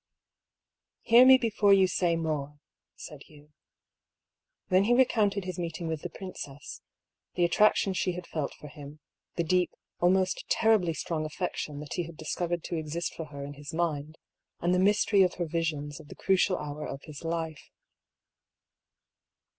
" Hear me before you say more," said Hugh. Then 246 r>R. PAULL'S THEORY. he recounted his meeting with the princess, the attraction she had felt for him, the deep, almost terribly strong af fection that he had discovered to exist for her in his mind, and the mystery of her visions of the crucial hour of his life.